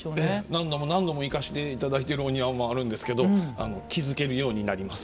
何度も何度も行かせて頂いてるお庭もあるんですけど気付けるようになります。